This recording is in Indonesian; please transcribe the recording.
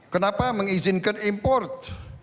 kenapa mengizinkan import